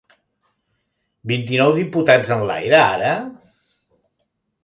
Vint-i-nou diputats en l’aire, ara?